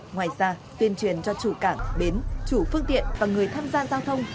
ngoài ra tuyên truyền cho chủ cảng bến chủ phương tiện và người tham gia giao thông